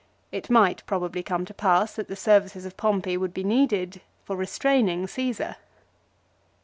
It might probably come to pass that the services of Pompey would be needed for restraining Caesar.